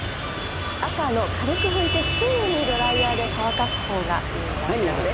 赤の、軽く拭いてすぐにドライヤーで乾かすほうがいいんだそうです。